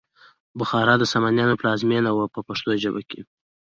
بخارا د سامانیانو پلازمینه وه په پښتو ژبه.